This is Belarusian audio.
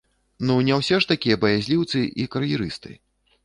Ну, не ўсе ж такія баязліўцы і кар'ерысты.